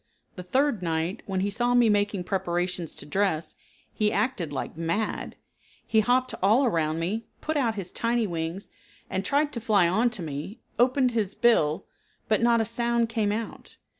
The third night, when he saw me making preparations to dress, he acted like mad. He hopped all around me, put out his tiny wings, and tried to fly onto me, opened his bill, but not a sound came out.